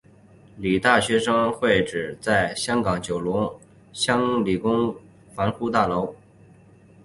理大学生会会址为香港九龙红磡香港理工大学邵逸夫楼。